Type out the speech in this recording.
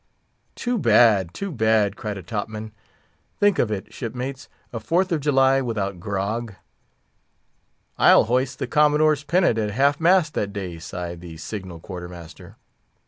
"Too bad—too bad!" cried a top man, "Think of it, shipmates—a Fourth of July without grog!" "I'll hoist the Commodore's pennant at half mast that day," sighed the signal quarter master.